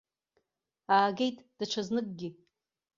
Аагеит даҽазныкгьы.